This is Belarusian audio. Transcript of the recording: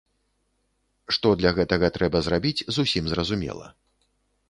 Што для гэтага трэба зрабіць, зусім зразумела.